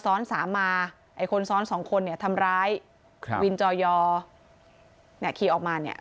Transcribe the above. ซ้อนสามมาไอ้คนซ้อนสองคนเนี่ยทำร้ายครับวินจอยอเนี่ยขี่ออกมาเนี่ย